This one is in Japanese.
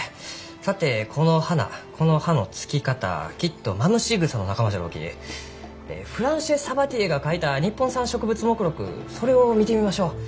さてこの花この葉のつき方きっとマムシグサの仲間じゃろうきフランシェ・サバティエが書いた「日本産植物目録」それを見てみましょう。